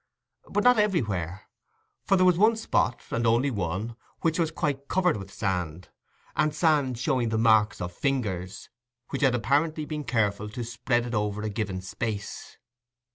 But not everywhere; for there was one spot, and one only, which was quite covered with sand, and sand showing the marks of fingers, which had apparently been careful to spread it over a given space.